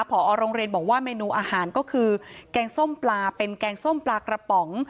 พอโรงเรียนบอกว่าเมนูอาหารก็คือแกงส้มปลาเป็นแกงส้มปลากระป๋อง